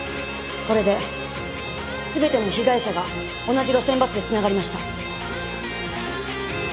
これで全ての被害者が同じ路線バスでつながりました。